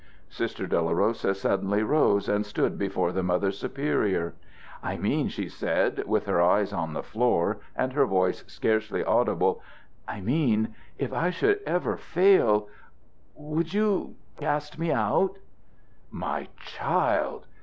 Sister Dolorosa suddenly rose and stood before the Mother Superior. "I mean," she said, with her eyes on the floor and her voice scarcely audible "I mean if I should ever fail, would you cast me out?" "My child!